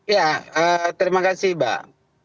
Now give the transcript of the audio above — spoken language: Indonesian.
ya terima kasih mbak